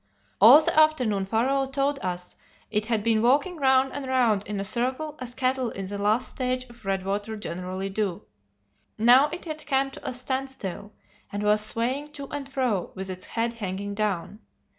All the afternoon Pharaoh told us it had been walking round and round in a circle as cattle in the last stage of redwater generally do. Now it had come to a standstill, and was swaying to and fro with its head hanging down.